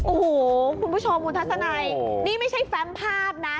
โอ้โหคุณผู้ชมวุฒิทรศไนศ์นี่ไม่ใช่แฟมพาสน่ะ